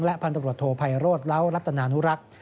และพันธุ์ตำรวจโทรไพโรธแล้วรัตนานุรักษ์